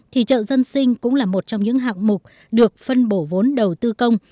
thì chợ dân sinh cũng là một trong những hạng mục được phân bổ vốn đầu tư công